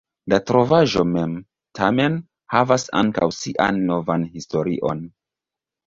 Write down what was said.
La trovaĵo mem, tamen, havas ankaŭ sian novan historion.